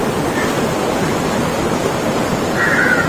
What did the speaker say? kufunika viazi lishe wakati wa kuchemsha husaidia virutubisho kutokupotea